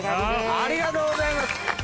ありがとうございます！